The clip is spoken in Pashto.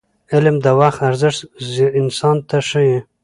علم د وخت ارزښت انسان ته ښيي.